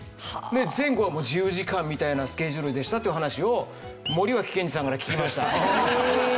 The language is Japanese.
前後はもう自由時間みたいなスケジュールでしたっていう話を森脇健児さんから聞きました。